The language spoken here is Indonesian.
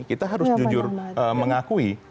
kita harus jujur mengakui